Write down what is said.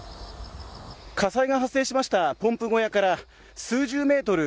火災が発生しましたポンプ小屋から数十メートル